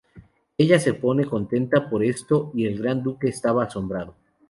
Ella se pone contenta por esto y el Gran Duque estaba asombrado.